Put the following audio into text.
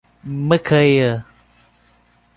Macaé